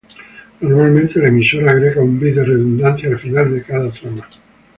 Normalmente el emisor agrega un bit de redundancia al final de cada trama.